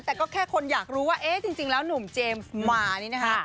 แต่ก็แค่คนอยากรู้ว่าเอ๊ะจริงแล้วหนุ่มเจมส์มานี่นะคะ